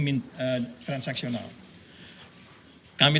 kami tadi juga berdiskusi dengan bapak bapak